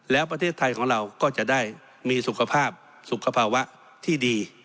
แล้วประเทศไทยของเราก็จะได้มีสุขภาพสุขภาวะที่ดี